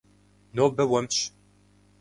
Нобэ уэмщ.